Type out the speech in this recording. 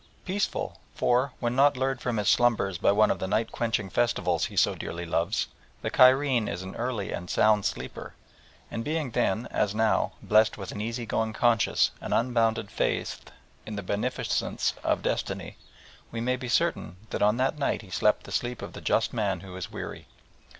Peaceful, for, when not lured from his slumbers by one of the night quenching festivals he so dearly loves, the Cairene is an early and a sound sleeper, and being then, as now, blessed with an easy going conscience and unbounded faith in the beneficence of Destiny, we may be certain that on that night he slept the sleep of the just man who is weary.